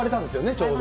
ちょうど。